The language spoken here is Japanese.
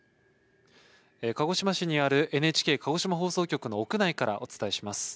鹿児島市にあるＮＨＫ鹿児島放送局の屋内からお伝えします。